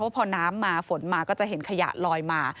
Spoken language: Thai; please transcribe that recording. พอน้ำมาฝนมาก็จะเห็นขยะลอยมา